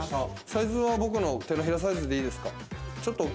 サイズは僕の手のひらサイズでいいですか？